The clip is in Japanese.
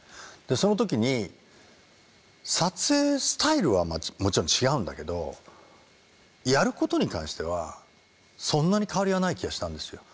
その時に撮影スタイルはもちろん違うんだけどやることに関してはそんなに変わりはない気がしたんですよ。